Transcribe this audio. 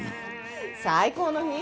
最高の日？